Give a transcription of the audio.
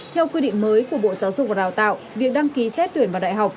theo quy định mới của bộ giáo dục và đào tạo việc đăng ký xét tuyển vào đại học